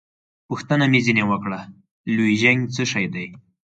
پوښتنه مې ځینې وکړه: لوژینګ څه شی دی؟